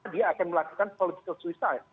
dia akan melakukan political society